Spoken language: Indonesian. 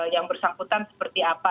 yang bersangkutan seperti apa